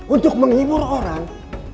untuk menghibur orang